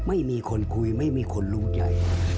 ไม่มีคนคุยไม่มีคนรู้ใจ